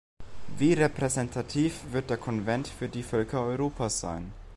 Wie repräsentativ wird der Konvent für die Völker Europas sein?